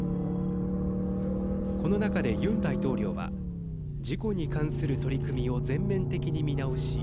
この中でユン大統領は事故に関する取り組みを全面的に見直し